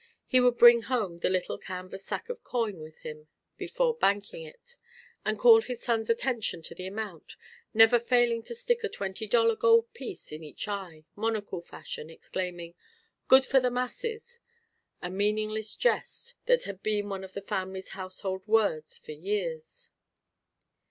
He would bring home the little canvas sack of coin with him before banking it, and call his son's attention to the amount, never failing to stick a twenty dollar gold piece in each eye, monocle fashion, exclaiming, "Good for the masses," a meaningless jest that had been one of the family's household words for years.